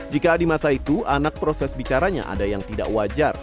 jika di masa itu anak proses bicaranya ada yang tidak wajar